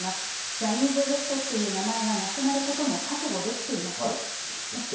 ジャニーズＷＥＳＴっていう名前がなくなることも覚悟できていまそして。